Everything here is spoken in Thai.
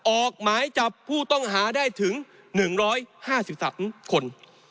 ออกหมายจับผู้ต้องหาได้ถึง๑๕๓คน